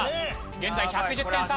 現在１１０点差。